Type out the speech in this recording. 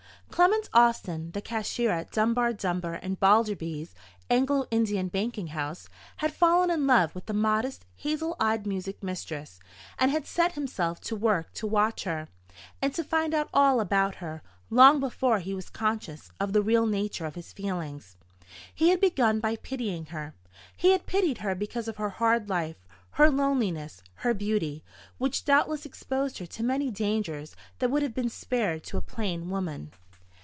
Clement Austin, the cashier at Dunbar, Dunbar, and Balderby's Anglo Indian banking house, had fallen in love with the modest hazel eyed music mistress, and had set himself to work to watch her, and to find out all about her, long before he was conscious of the real nature of his feelings. He had begun by pitying her. He had pitied her because of her hard life, her loneliness, her beauty, which doubtless exposed her to many dangers that would have been spared to a plain woman.